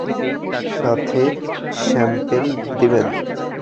সাথে শ্যাম্পেন দিবেন।